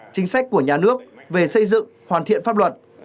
chính sách của nhà nước về xây dựng hoàn thiện pháp luật